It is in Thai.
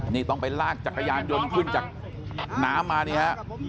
นี่ต้องไปลากจักรยานยนต์ขึ้นจากน้ำมานี่ฮะ